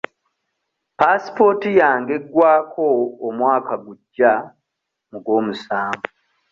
Paasipooti yange eggwako omwaka gujja mu gwomusanvu.